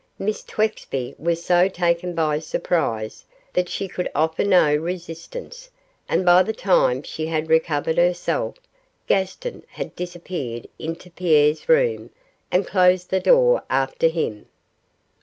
Miss Twexby was so taken by surprise, that she could offer no resistance, and by the time she had recovered herself, Gaston had disappeared into Pierre's room and closed the door after him.